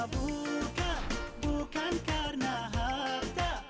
bukan bukan karena harta